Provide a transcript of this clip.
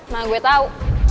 mah gue tau